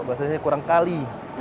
bahasanya kurang kali